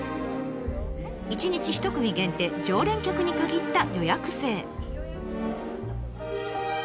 １日１組限定常連客に限った予約制。